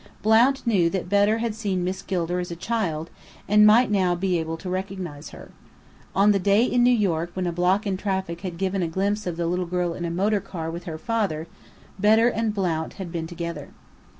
"Blount" knew that Bedr had seen Miss Gilder as a child, and might now be able to recognize her. On the day in New York when a block in traffic had given a glimpse of the little girl in a motor car with her father, Bedr and "Blount" had been together.